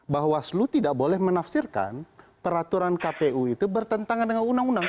bawaslu tidak boleh menafsirkan peraturan kpu itu bertentangan dengan undang undang